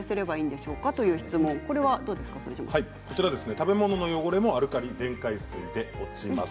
食べ物の汚れもアルカリ電解水で落ちます。